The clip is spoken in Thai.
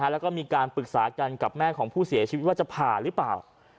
แล้วก็มีการปรึกษากันกับแม่ของผู้เสียชีวิตว่าจะผ่าหรือเปล่า